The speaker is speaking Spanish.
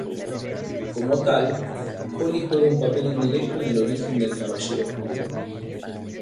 Como tal, Holly juega un papel indirecto en el origen del Caballero Oscuro.